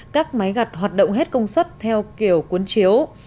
các máy gặt hoạt động hết công suất theo kiểu cuốn chiếu